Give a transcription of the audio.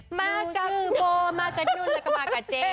หนูชื่อโบมากับหนุนแล้วก็มากับเจน